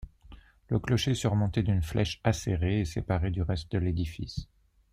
Le clocher surmonté d'une flèche acérée est séparé du reste de l'édifice.